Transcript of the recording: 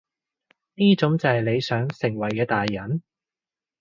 呢種就係你想成為嘅大人？